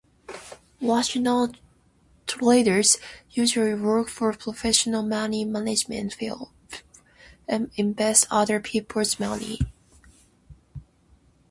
Rational traders usually work for professional money management firms, and invest other peoples' money.